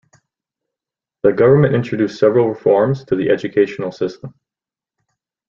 The government introduced several reforms to the educational system.